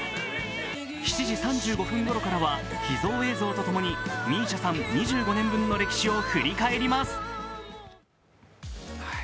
７時３５分ごろからは、秘蔵映像とともに、ＭＩＳＩＡさん２５年分の歴史を振り返ります。